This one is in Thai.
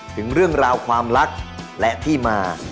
ถึงเรื่องราวความรักและที่มา